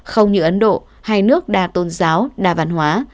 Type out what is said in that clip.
không như ấn độ hai nước đa tôn giáo đa văn hóa